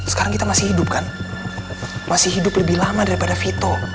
sekarang kita masih hidup kan masih hidup lebih lama daripada vito